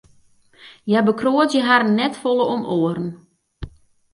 Hja bekroadzje harren net folle om oaren.